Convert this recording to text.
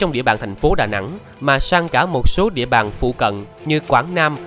địa bàn phụ cận như quảng nam